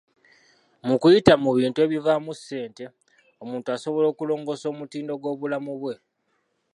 Mu kuyita mu bintu ebivaamu ssente, omuntu asobola okulongoosa omutindo gw'obulamu bwe.